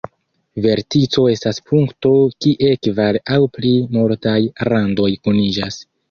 Vertico estas punkto kie kvar aŭ pli multaj randoj kuniĝas.